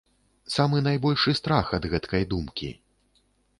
Самы найбольшы страх ад гэткай думкі.